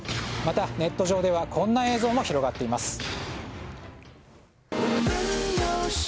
また、ネット上ではこんな映像も広まっています。